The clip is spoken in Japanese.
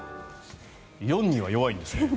４には弱いんですね。